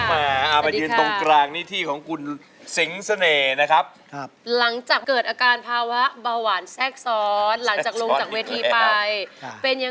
หาเบอร์โทรไม่เจอจังเลย